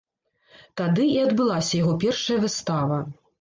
Тады і адбылася яго першая выстава.